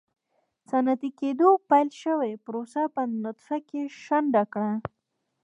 صنعتي کېدو پیل شوې پروسه په نطفه کې شنډه کړه.